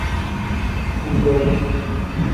اُن گش